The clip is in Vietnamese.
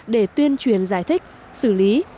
để tuyên truyền giải thích xử lý